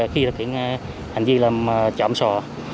khi thực hiện hành vi làm trộm sò